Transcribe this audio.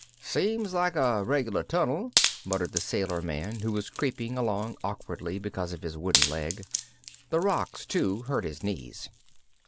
"Seems like a reg'lar tunnel," muttered the sailor man, who was creeping along awkwardly because of his wooden leg. The rocks, too, hurt his knees.